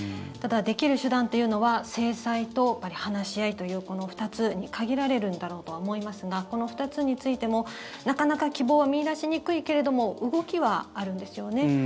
ただ、できる手段というのは制裁と話し合いというこの２つに限られるんだろうとは思いますがこの２つについてもなかなか希望は見いだしにくいけれども動きはあるんですよね。